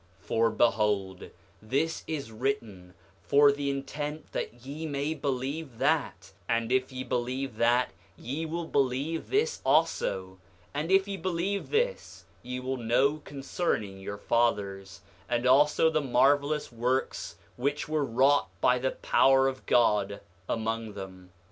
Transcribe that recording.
7:9 For behold, this is written for the intent that ye may believe that; and if ye believe that ye will believe this also; and if ye believe this ye will know concerning your fathers, and also the marvelous works which were wrought by the power of God among them.